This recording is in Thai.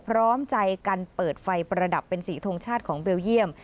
พร้อมใจกันเปิดไฟประดับเป็นสีทงชาติของเบลเยี่ยม